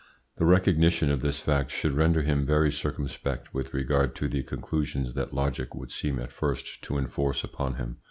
The recognition of this fact should render him very circumspect with regard to the conclusions that logic would seem at first to enforce upon him.